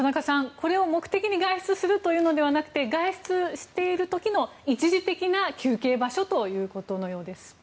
これを目的に外出するというのではなくて外出している時の一時的な休憩場所ということのようです。